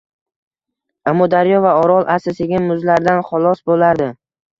Amudaryo va Orol asta-sekin muzlardan xalos bo‘lar edi.